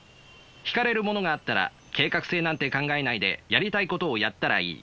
引かれるものがあったら計画性なんて考えないでやりたいことをやったらいい。